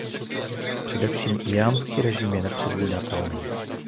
Především, íránský režim je nepředvídatelný.